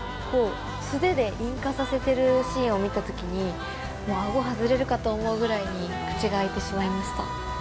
素手で引火させてるシーンを見たときにもう顎外れるかと思うぐらいに口が開いてしまいました。